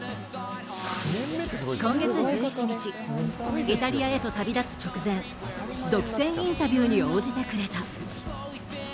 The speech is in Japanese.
今月１１日、イタリアへと旅立つ直前独占インタビューに応じてくれた。